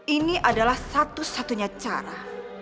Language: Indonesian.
ini adalah satu satunya cara